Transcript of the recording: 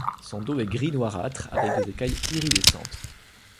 Son dos est gris noirâtre avec des écailles iridescentes.